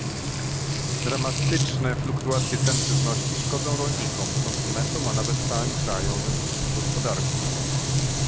Dramatyczne fluktuacje cen żywności szkodzą rolnikom, konsumentom, a nawet całym krajowym gospodarkom